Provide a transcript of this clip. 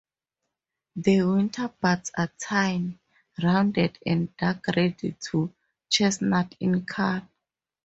The winter buds are tiny, rounded and dark red to chestnut in color.